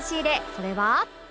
それは